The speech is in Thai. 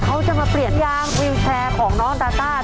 เขาจะมาเปลี่ยนยางวิวแชร์ของน้องดาต้า